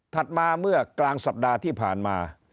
มาเมื่อกลางสัปดาห์ที่ผ่านมา